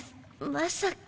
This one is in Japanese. まさか。